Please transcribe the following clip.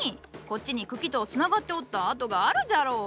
こっちに茎とつながっておった跡があるじゃろう。